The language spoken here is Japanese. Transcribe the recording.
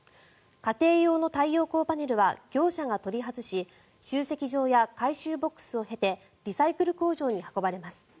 家庭用の太陽光パネルは業者が取り外し集積場や回収ボックスを経てリサイクル工場に運ばれます。